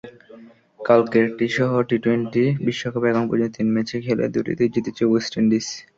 কালকেরটিসহ T twenty বিশ্বকাপে এখন পর্যন্ত তিন ম্যাচে খেলে দুটিতেই জিতেছে ওয়েস্ট ইন্ডিজ।